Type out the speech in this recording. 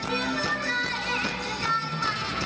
ก็คือเมื่อวานนี้เดินทางมาถึงคืนที่สองแล้วนะ